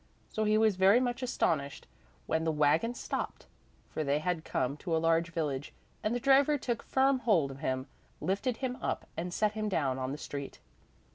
So he was very much astonished when the wagon stopped, for they had come to a large village, and the driver took firm hold of him, lifted him up and set him down on the street.